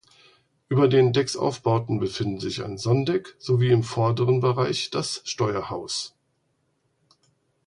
Über den Decksaufbauten befindet sich ein Sonnendeck sowie im vorderen Bereich das Steuerhaus.